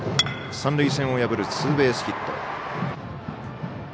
三塁線を破るツーベースヒット。